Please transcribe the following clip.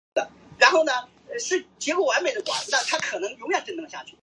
奥特罗县的县治为阿拉莫戈多。